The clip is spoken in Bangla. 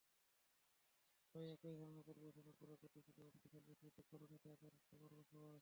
প্রায় একই ধরণের পরিবেশে অনেকগুলো গতিশীল এবং বিশাল বস্তুতে কলোনি আকারে সবার বসবাস।